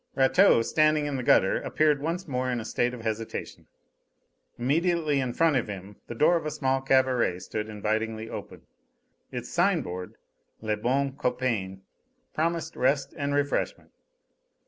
Rateau, standing in the gutter, appeared once more in a state of hesitation. Immediately in front of him the door of a small cabaret stood invitingly open; its signboard, "Le Bon Copain," promised rest and refreshment.